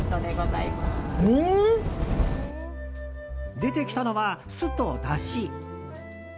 出てきたのは、酢とだし。